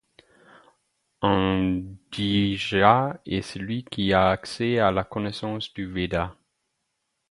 Un dvija est celui qui a accès à la connaissance du Véda.